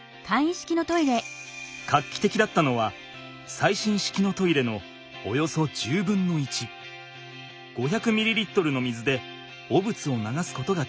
画期的だったのは最新式のトイレのおよそ１０分の１５００ｍｌの水で汚物を流すことができること。